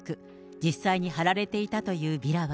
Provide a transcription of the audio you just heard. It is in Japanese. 実際に貼られていたというビラは。